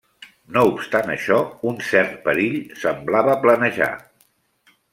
No obstant això, un cert perill semblava planejar.